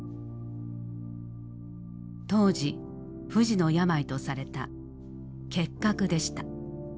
当時不治の病とされた結核でした。